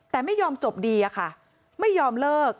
แต่ไม่ยอมจบดีอะค่ะไม่ยอมเลิก